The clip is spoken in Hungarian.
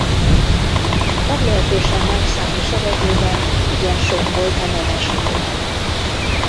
Meglehetősen nagy számú seregében igen sok volt a nemesi lovag.